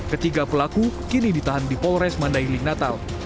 ketiga pelaku kini ditahan di polres mandai lik natal